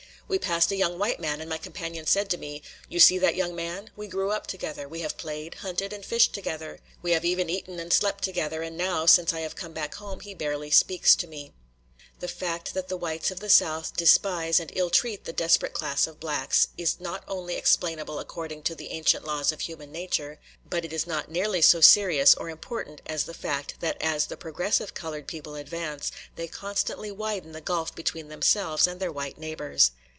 We passed a young white man, and my companion said to me: "You see that young man? We grew up together; we have played, hunted, and fished together; we have even eaten and slept together; and now since I have come back home, he barely speaks to me." The fact that the whites of the South despise and ill treat the desperate class of blacks is not only explainable according to the ancient laws of human nature, but it is not nearly so serious or important as the fact that as the progressive colored people advance, they constantly widen the gulf between themselves and their white neighbors.